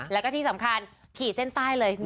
แล้วก็ที่สำคัญขี่เส้นใต้เลย